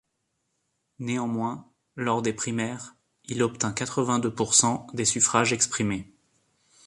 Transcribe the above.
Néanmoins, lors des primaires, il obtint quatre-vingt-deux pour cent des suffrages exprimés.